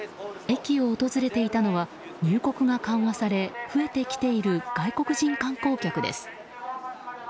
駅を訪れていたのは入国が緩和され増えてきている外国人観光客です。